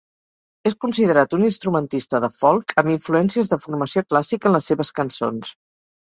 És considerat un instrumentista de folk, amb influències de formació clàssica en les seves cançons.